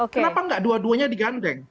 kenapa nggak dua duanya digandeng